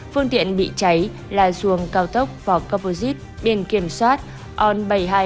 phương tiện bị cháy là xuồng cao tốc phỏ cô pô dít biển kiểm soát on bảy nghìn hai trăm một mươi chín